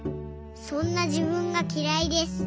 そんなじぶんがきらいです。